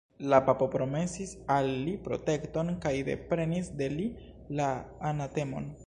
La papo promesis al li protekton kaj deprenis de li la anatemon.